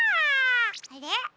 あれ？